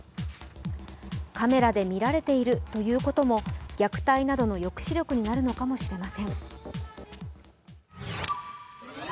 カメラで見られているということも虐待などの抑止力になるのかもしれません。